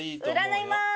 占います！